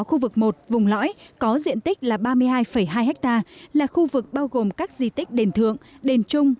khu vực một vùng lõi có diện tích là ba mươi hai hai ha là khu vực bao gồm các di tích đền thượng đền trung